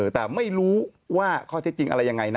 แต่ไม่รู้ว่าข้อเท็จจริงอะไรยังไงนะ